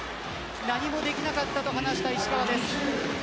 何もできなかったと話した石川です。